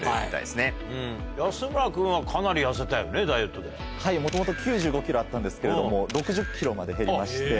はいもともと９５ｋｇあったんですけれども６０ｋｇまで減りまして。